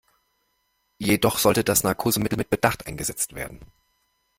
Jedoch sollte das Narkosemittel mit Bedacht eingesetzt werden.